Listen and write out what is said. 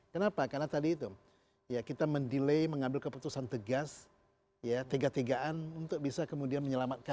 kenapa karena tadi itu ya kita mendelay mengambil keputusan tegas ya tega tegaan untuk bisa kemudian menyelamatkan